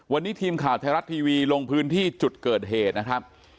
วันนี้ทีมข่าวไทยรัฐทีวีลงพื้นที่จุดเกิดเหตุนะครับ